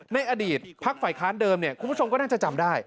ในอดีตพักฝ่ายค้านเดิมเนี่ยคุณผู้ชมก็น่าจะจำได้